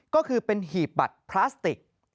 ก็คือเป็นหีบบัตรพลาสติก